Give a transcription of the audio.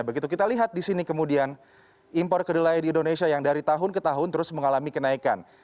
begitu kita lihat di sini kemudian impor kedelai di indonesia yang dari tahun ke tahun terus mengalami kenaikan